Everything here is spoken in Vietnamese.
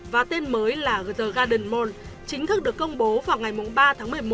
và tên mới là the garden mall chính thức được công bố vào ngày ba tháng một mươi một